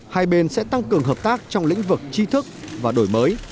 hai bên sẽ tăng cường hợp tác trong lĩnh vực chi thức và đổi mới